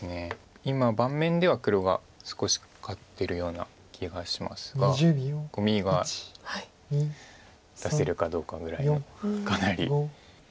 今盤面では黒が少し勝ってるような気がしますがコミが出せるかどうかぐらいのかなり。